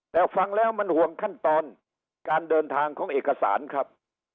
แต่ฟังแล้วมันห่วงขั้นตอนการเดินทางของเอกสารครับ